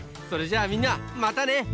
それじゃあみんなまたね！